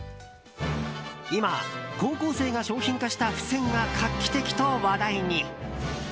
今、高校生が商品化した付箋が画期的と話題に。